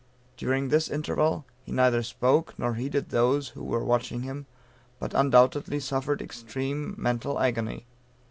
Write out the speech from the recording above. During this interval he neither spoke, nor heeded those who were watching him; but undoubtedly suffered extreme mental agony.